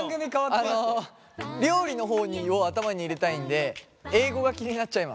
あの料理の方を頭に入れたいんで英語が気になっちゃいます。